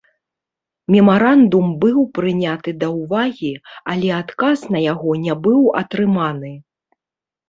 Мемарандум быў прыняты да ўвагі, але адказ на яго не быў атрыманы.